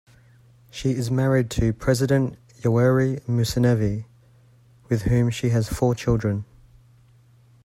She is married to President Yoweri Museveni, with whom she has four children.